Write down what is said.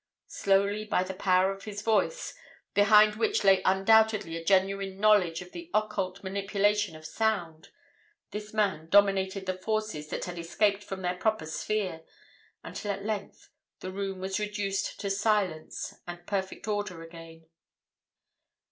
Slowly, by the power of his voice, behind which lay undoubtedly a genuine knowledge of the occult manipulation of sound, this man dominated the forces that had escaped from their proper sphere, until at length the room was reduced to silence and perfect order again.